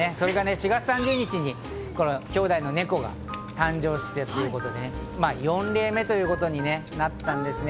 ４月３０日にきょうだいの猫が誕生して、４例目ということになったんですね。